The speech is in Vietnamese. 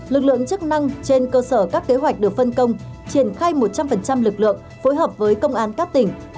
lực lượng chức năng trên cơ sở các kế hoạch được phân công triển khai một trăm linh lực lượng phối hợp với công an các tỉnh